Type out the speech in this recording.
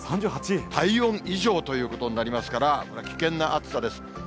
体温以上ということになりますから、これは危険な暑さです。